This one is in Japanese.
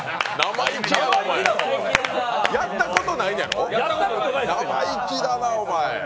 やったことないんやろ生意気だな。